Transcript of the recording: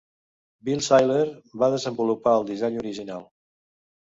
Bill Seiler va desenvolupar el disseny original.